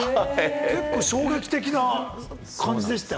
結構、衝撃的な感じでしたよ。